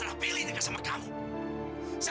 jadi kita akan men uga